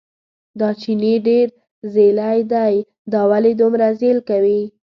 دا چیني ډېر ځېلی دی، دا ولې دومره ځېل کوي.